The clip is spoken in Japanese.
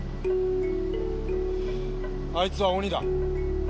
あいつは鬼だ。